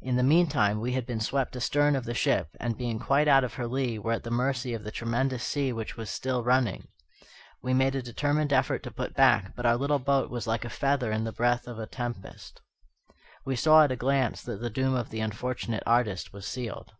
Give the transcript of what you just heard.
In the meantime we had been swept astern of the ship, and being quite out of her lee, were at the mercy of the tremendous sea which was still running. We made a determined effort to put back, but our little boat was like a feather in the breath of the tempest. We saw at a glance that the doom of the unfortunate artist was sealed.